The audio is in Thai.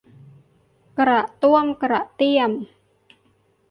กระต้วมกระเตี้ยม